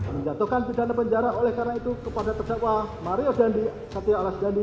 penjatuhan pidana penjara oleh karena itu kepada terdakwa mario dandi satya alas dandi